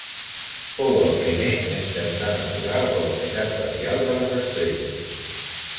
Fou el primer a intentar mesurar la velocitat radial de les estrelles.